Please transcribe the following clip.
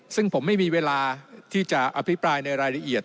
ซึ่งผมไม่มีเวลาที่จะอภิปรายในรายละเอียด